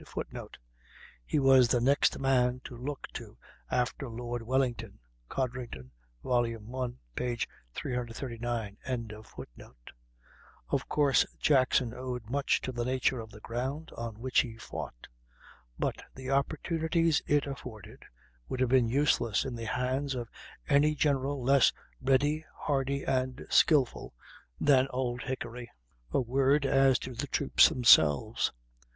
[Footnote: "He was the next man to look to after Lord Wellington" (Codrington, i, 339).] Of course Jackson owed much to the nature of the ground on which he fought; but the opportunities it afforded would have been useless in the hands of any general less ready, hardy, and skilful than Old Hickory. A word as to the troops themselves.